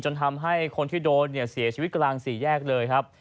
จนทำให้คนที่โดนเสียชีวิตกำลังสี่แยกเลยครับ